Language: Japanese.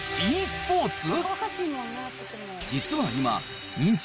ｅスポーツ？